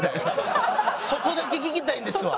そこだけ聞きたいんですわ。